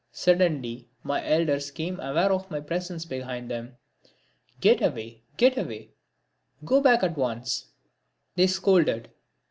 Suddenly my elders became aware of my presence behind them. "Get away, get away, go back at once!" they scolded.